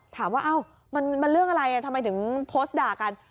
ถามว่ามันเรื่องอะไรทำไมถึงโพสต์ด่ากัน